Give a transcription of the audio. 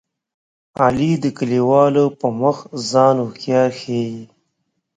علي د کلیوالو په مخ ځان هوښیار ښيي.